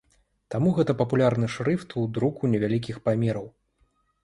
Таму гэта папулярны шрыфт у друку невялікіх памераў.